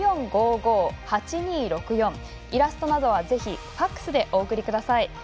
イラストなどはぜひファックスでお送りください。